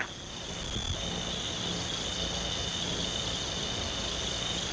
ร้อนเดินต้น